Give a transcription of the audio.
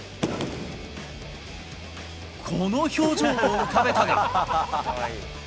この表情を浮かべたが。